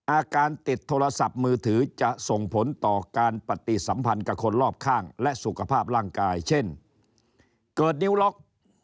อาการติดโทรศัพท์มือถือจะส่งผลต่อการปฏิสัมพันธ์กับคนรอบข้างและสุขภาพร่างกายเช่นเกิดนิ้วล็อก